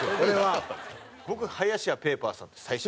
僕林家ペー・パーさんです最初。